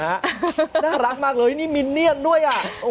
น่ารักมากเลยนี่มินเนียนด้วยอ่ะ